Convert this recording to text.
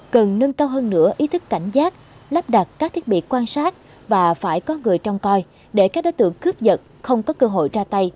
cần nâng cao hơn nữa ý thức cảnh giác lắp đặt các thiết bị quan sát và phải có người trong coi để các đối tượng cướp giật không có cơ hội ra tay